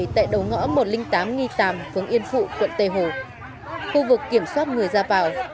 tại đầu ngõ một trăm linh tám nghi tàm phường yên phụ quận tây hồ khu vực kiểm soát người ra vào